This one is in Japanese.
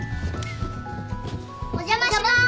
お邪魔します。